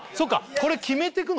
これ決めてくの？